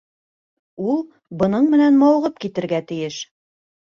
Ул бының менән мауығып китергә тейеш.